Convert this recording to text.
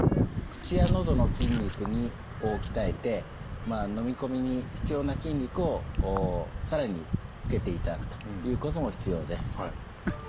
口や喉の筋肉を鍛えてのみ込みに必要な筋肉を更につけていただくということも必要です。